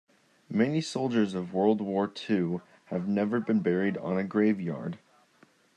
Many soldiers of world war two have never been buried on a grave yard.